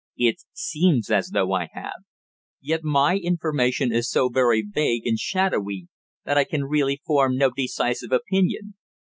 "It seems as though I have. Yet my information is so very vague and shadowy that I can really form no decisive opinion.